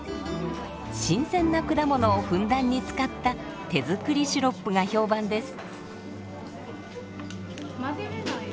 新鮮な果物をふんだんに使った手作りシロップが評判です。